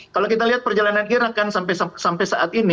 kalau kita lihat perjalanan kira kan sampai saat ini